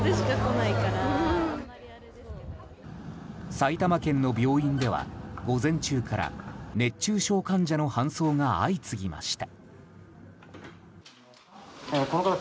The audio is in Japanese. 埼玉県の病院では午前中から熱中症患者の搬送が相次ぎました。